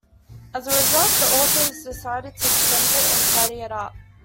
As a result, the authors decided to extend it and tidy it up.